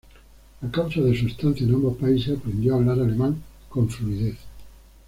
A causa de su estancia en ambos países aprendió a hablar alemán con fluidez.